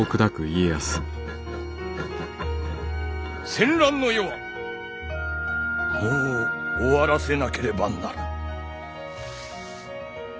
戦乱の世はもう終わらせなければならぬ。